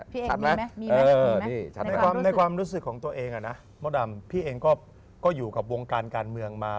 พี่เองมีไหมในความรู้สึกของตัวเองพี่เองก็อยู่กับวงการการเมืองมา